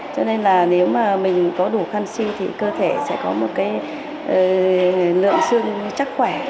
cho nên là nếu mà mình có đủ canxi thì cơ thể sẽ có một cái lượng xương chắc khỏe